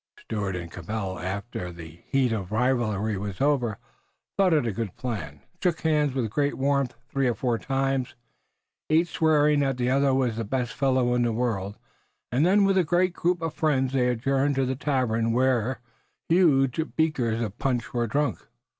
Stuart and Cabell, after the heat of rivalry was over, thought it a good plan, shook hands with great warmth three or four times, each swearing that the other was the best fellow in the world, and then with a great group of friends they adjourned to the tavern where huge beakers of punch were drunk.